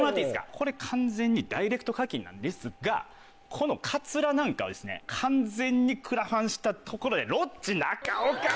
これ完全にダイレクト課金なんですがこのカツラなんかはですね完全にクラファンしたところでロッチ・中岡さん。